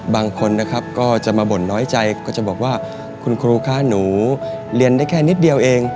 บางคนนะครับก็จะมาบ่นน้อยใจก็จะบอกว่าคุณครูคะหนูเรียนได้แค่นิดเดียวเอง